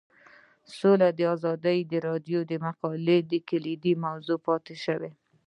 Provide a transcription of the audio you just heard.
سوله د ازادي راډیو د مقالو کلیدي موضوع پاتې شوی.